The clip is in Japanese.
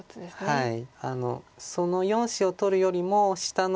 はい。